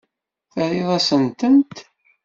Terriḍ-asent-tent.